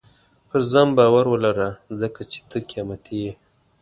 • پر ځان باور ولره، ځکه چې ته قیمتي یې.